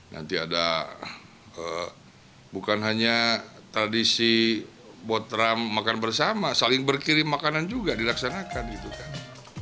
nanti ada bukan hanya tradisi buat trump makan bersama saling berkirim makanan juga dilaksanakan gitu kan